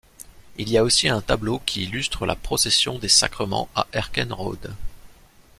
Il y a aussi un tableau qui illustre la procession des sacrements à Herkenrode.